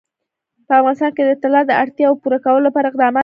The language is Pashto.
په افغانستان کې د طلا د اړتیاوو پوره کولو لپاره اقدامات کېږي.